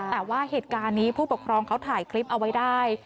แต่ว่าเหตุการณ์นี้ผู้ปกครองเขาถ่ายคลิปเอาไว้ได้